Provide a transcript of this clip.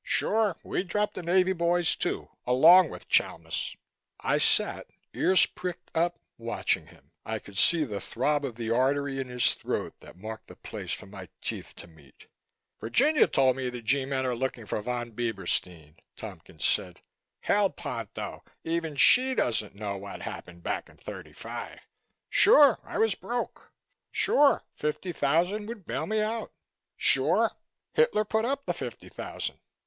Sure, we dropped the Navy boys too, along with Chalmis." I sat, ears pricked up, watching him. I could see the throb of the artery in his throat that marked the place for my teeth to meet. "Virginia told me the G men are looking for Von Bieberstein," Tompkins said. "Hell, Ponto, even she doesn't know what happened back in '35. Sure I was broke. Sure fifty thousand would bail me out. Sure Hitler put up the fifty thousand.